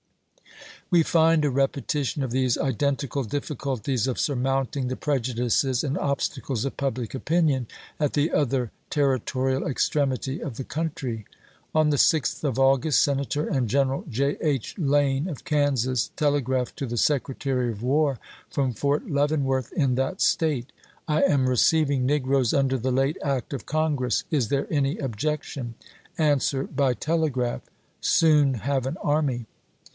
We find a repetition of these identical difficulties of surmounting the prejudices and obstacles of public opinion at the other territorial extremity of the country. On the 6th of August, Senator and 1862. General J. H. Lane, of Kansas, telegraphed to the Secretary of War from Fort Leavenworth in that State :" I am receiving negroes under the late act of Congress. Is there any objection ? Answer by Lane to telegraph. Soon have an army."